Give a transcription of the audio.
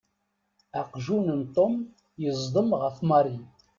Aqjun n Tom yeẓḍem ɣef Mary.